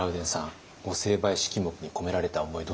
御成敗式目に込められた思い